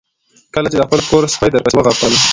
کله چې د خپل کور سپي درپسې وغپل